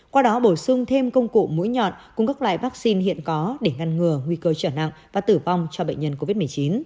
qua đó bổ sung thêm công cụ mũi nhọn cùng các loại vaccine hiện có để ngăn ngừa nguy cơ trở nặng và tử vong cho bệnh nhân covid một mươi chín